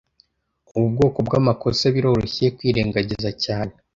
Ubu bwoko bwamakosa biroroshye kwirengagiza cyane